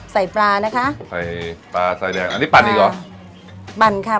ใส่ปลานะคะใส่ปลาใส่แดงอันนี้ปั่นอีกเหรอปั่นค่ะ